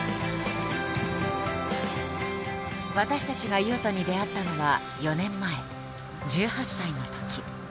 私たちが雄斗に出会ったのは４年前１８歳のとき。